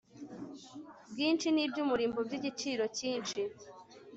bwinshi n iby umurimbo by igiciro cyinshi